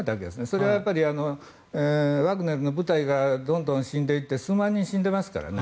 それはやっぱりワグネルの部隊がどんどん死んでいって数万人死んでますからね。